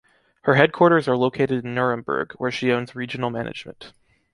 Her headquarters are located in Nuremberg, she owns regional management.